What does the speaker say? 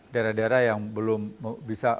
daerah daerah yang belum bisa